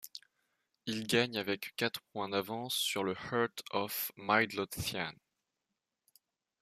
Ils gagnent avec quatre points d’avance sur le Heart of Midlothian.